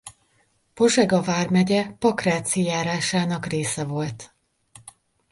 Pozsega vármegye Pakráci járásának része volt.